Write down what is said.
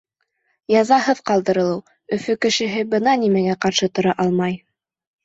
Язаһыҙ ҡалдырылыу — Өфө кешеһе бына нимәгә ҡаршы тора алмай.